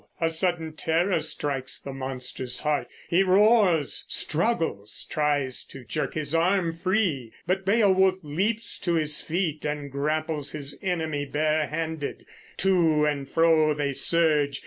A sudden terror strikes the monster's heart. He roars, struggles, tries to jerk his arm free; but Beowulf leaps to his feet and grapples his enemy bare handed. To and fro they surge.